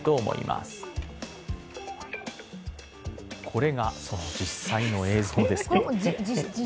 これがその実際の映像です。